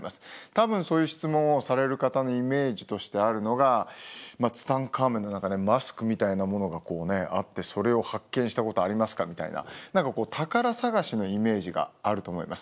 多分そういう質問をされる方のイメージとしてあるのがツタンカーメンのマスクみたいなものがあって「それを発見したことありますか」みたいな何か宝探しのイメージがあると思います。